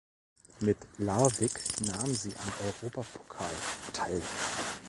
Mit Larvik nahm sie am Europapokal teil.